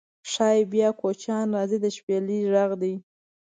شایي بیا کوچیان راځي د شپیلۍ غږدی